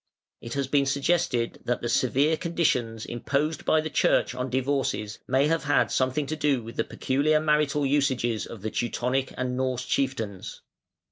It has been suggested that the severe conditions imposed by the Church on divorces may have had something to do with the peculiar marital usages of the Teutonic and Norse chieftains.